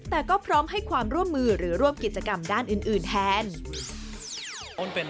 แต่ก็พร้อมให้ความร่วมมือหรือร่วมกิจกรรมด้านอื่นแทน